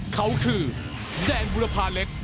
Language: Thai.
เขาคือแดงบุรพาเล็ก